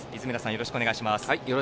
よろしくお願いします。